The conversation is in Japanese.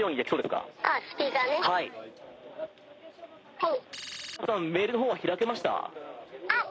☎はい。